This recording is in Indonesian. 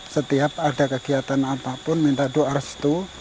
setiap ada kegiatan apapun minta doa restu